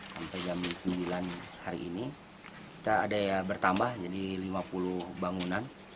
sampai jam sembilan hari ini kita ada ya bertambah jadi lima puluh bangunan